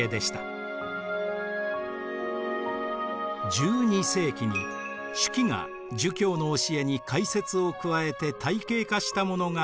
１２世紀に朱熹が儒教の教えに解説を加えて体系化したものが朱子学です。